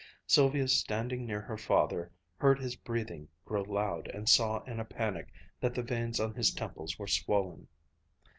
Sylvia standing near her father heard his breathing grow loud and saw in a panic that the veins on his temples were swollen.